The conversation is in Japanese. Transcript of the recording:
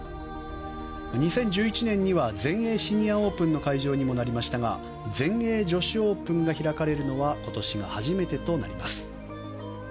２０１１年には全英シニアオープンの会場になりましたが全英女子オープンが開かれるのは今年が初めてとなります。